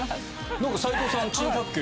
なんか斎藤さん珍百景。